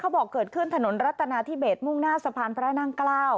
บอกเกิดขึ้นถนนรัฐนาธิเบสมุ่งหน้าสะพานพระนั่งเกล้า